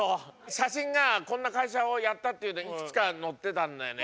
写真がこんな会社をやったっていうのいくつか載ってたんだよね。